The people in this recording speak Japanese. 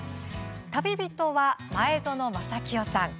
旅人は、前園真聖さん。